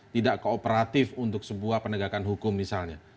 tidak kooperatif untuk sebuah penegakan hukum misalnya